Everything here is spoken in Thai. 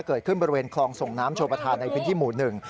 เกิดขึ้นบริเวณคลองส่งน้ำโชประธานในพื้นที่หมู่หนึ่ง